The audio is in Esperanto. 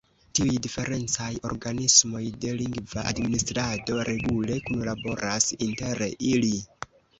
Tiuj diferencaj organismoj de lingva administrado regule kunlaboras inter ili.